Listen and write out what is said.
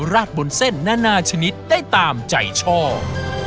ราดบนเส้นนานาชนิดได้ตามใจชอบ